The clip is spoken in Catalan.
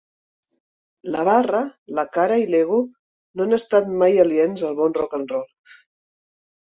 La barra, la cara i l'ego no han estat mai aliens al bon rock-and-roll.